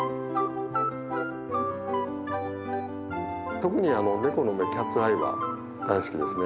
特にあのネコの目キャッツアイは大好きですね。